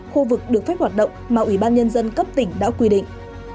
khu vực được phép hoạt động mà ủy ban nhân dân cấp tỉnh đã quy định